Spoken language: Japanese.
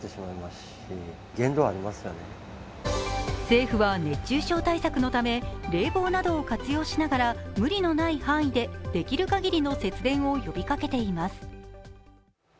政府は熱中症対策のため冷房などを活用しながら無理のない範囲で、できる限りの節電を呼びかけています。